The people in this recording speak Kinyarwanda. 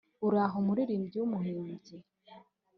uraho muririmbyi w’umuhimbyi